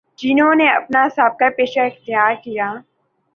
جنہوں نے اپنا سا بقہ پیشہ اختیارکیا